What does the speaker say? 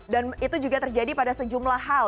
dan itu juga terjadi pada sejumlah hal